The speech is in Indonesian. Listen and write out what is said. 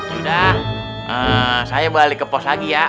sudah saya balik ke pos lagi ya